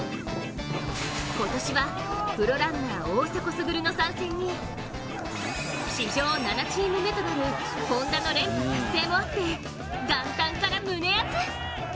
今年はプロランナー大迫傑の参戦に史上７チーム目となるＨｏｎｄａの連覇達成もあって元旦から胸アツ！